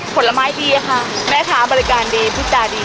ผลไม้ดีค่ะแม่ค้าบริการดีพูดจาดี